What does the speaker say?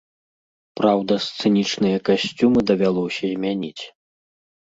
Праўда, сцэнічныя касцюмы давялося змяніць.